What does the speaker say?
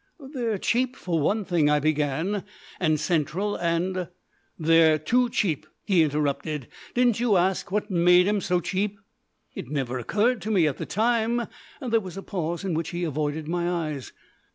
"They're cheap, for one thing," I began, "and central and " "They're too cheap," he interrupted. "Didn't you ask what made 'em so cheap?" "It never occurred to me at the time." There was a pause in which he avoided my eyes.